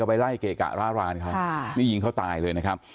จะไปไล่เก๋กะร้าร้านค่ะค่ะนี่ยิงเขาตายเลยนะครับ